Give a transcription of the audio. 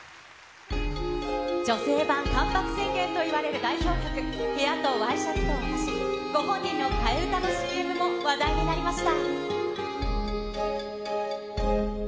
女性版関白宣言といわれる代表曲、部屋とＹシャツと私、ご本人の替え歌のＣＭも話題になりました。